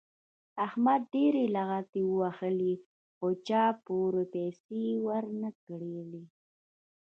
احمد ډېرې لغتې ووهلې خو چا پور پیسې ور نه کړلې.